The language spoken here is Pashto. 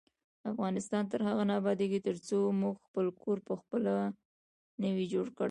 افغانستان تر هغو نه ابادیږي، ترڅو موږ خپل کور پخپله نه وي جوړ کړی.